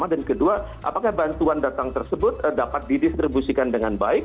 dan kedua apakah bantuan datang tersebut dapat didistribusikan dengan baik